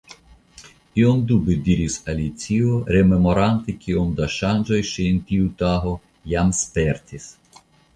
Iom dube diris Alicio, rememorante kiom da ŝanĝoj ŝi en tiu tago jam spertis.